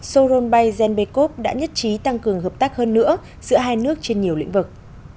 soron bay zenbekov đã nhất trí tăng cường hợp tác hơn nữa giữa hai nước trên nhiều lĩnh vực